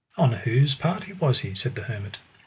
On whose party was he? said the hermit.